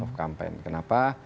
soft campaign kenapa